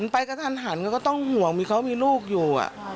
ไปกระทันหันก็ต้องห่วงมีเขามีลูกอยู่